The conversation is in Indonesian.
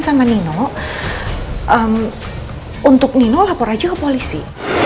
sama nino untuk nino lapor aja ke polisi